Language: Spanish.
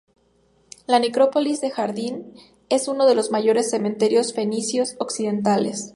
La necrópolis de Jardín es uno de los mayores cementerios fenicios occidentales.